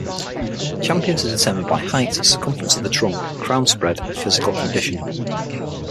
Champions are determined by height, circumference of the trunk, crown spread, and physical condition.